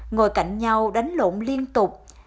ngồi cạnh nhau đánh lộn liên tục